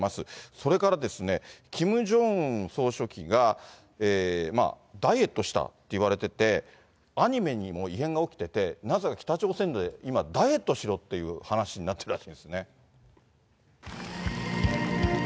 それからキム・ジョンウン総書記が、ダイエットしたといわれてて、アニメにも異変が起きてて、なぜか北朝鮮で今、ダイエットしろっていう話になってたらしいんですね。